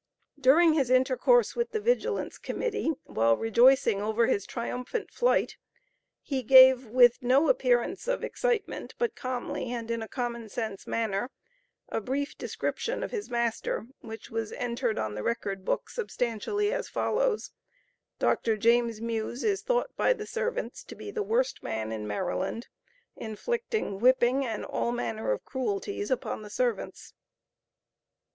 During his intercourse with the Vigilance Committee, while rejoicing over his triumphant flight, he gave, with no appearance of excitement, but calmly, and in a common sense like manner, a brief description of his master, which was entered on the record book substantially as follows: "Dr. James Muse is thought by the servants to be the worst man in Maryland, inflicting whipping and all manner of cruelties upon the servants."